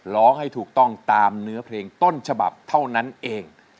ร้องให้ถูกต้องตามเนื้อเพลงต้นฉบับเท่านั้นเอง